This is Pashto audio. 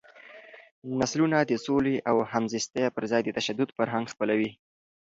نسلونه د سولې او همزیستۍ پر ځای د تشدد فرهنګ خپلوي.